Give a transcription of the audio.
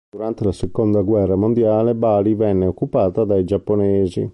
Durante la seconda guerra mondiale, Bali venne occupata dai Giapponesi.